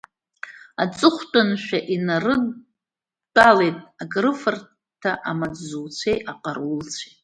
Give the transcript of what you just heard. Аҵыхәтәаншәа инарыдтәалеит акрыфарҭа амаҵзуҩцәеи аҟарулцәеи.